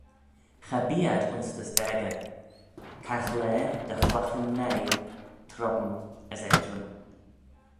Cha bee ayd ayns dty spagey, caghlaa dy chlaghyn-meih, trome as eddrym.